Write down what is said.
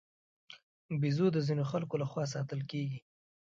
بیزو د ځینو خلکو له خوا ساتل کېږي.